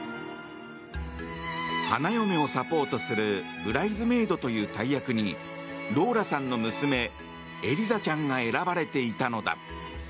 花嫁をサポートするブライズメイドという大役にローラさんの娘エリザちゃんが選ばれていたのだ。